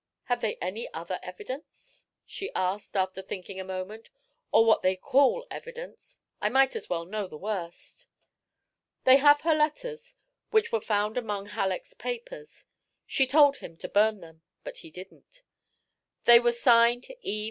"Have they any other evidence?" she asked, after thinking a moment, "or what they call evidence? I might as well know the worst." "They have her letters, which were found among Halleck's papers she told him to burn them, but he didn't. They were signed 'E.